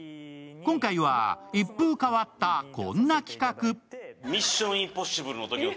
今回は一風変わったこんな企画。